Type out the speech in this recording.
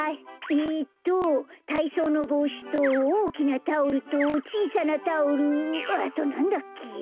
えっとたいそうのぼうしとおおきなタオルとちいさなタオルあとなんだっけ？